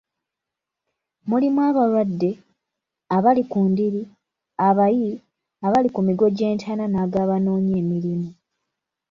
Mulimu abalwadde, abali ku ndiri, abayi, abali ku migo gy’entaana na ag’abanoonya emirimu.